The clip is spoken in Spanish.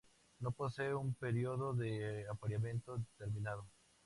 No poseen un período de apareamiento determinado.